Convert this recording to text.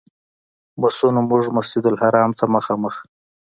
بسونو موږ مسجدالحرام ته مخامخ.